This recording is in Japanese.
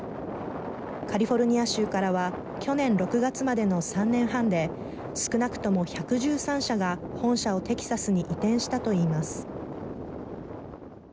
カリフォルニア州からは去年６月までの３年半で少なくとも１１３社が本社をテキサスに移転したといいます。